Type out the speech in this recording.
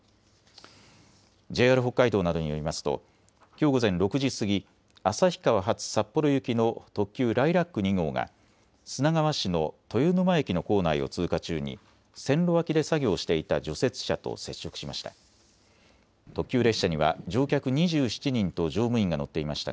ＪＲ北海道などによりますときょう午前６時過ぎ旭川発札幌行きの特急ライラック２号が砂川市の豊沼駅の構内を通過中に線路脇で作業していた除雪車と接触しました。